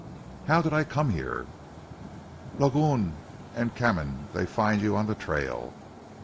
"How did I come here?" "Lagoun and Canim dey find you on ze trail.